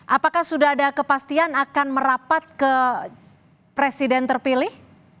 apakah sudah ada kepastian akan merapat ke presiden terpilih